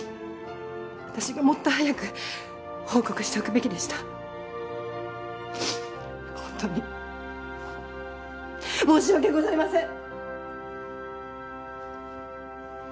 私がもっと早く報告しておくべきでしたホントに申し訳ございません！